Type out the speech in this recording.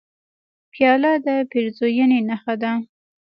پیاله د پیرزوینې نښه ده.